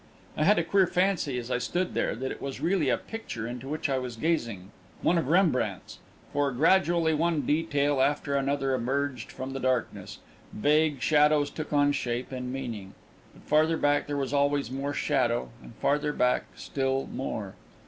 I had a queer fancy, as I stood there, that it was really a picture into which I was gazing one of Rembrandt's for, gradually, one detail after another emerged from the darkness, vague shadows took on shape and meaning, but farther back there was always more shadow, and farther back still more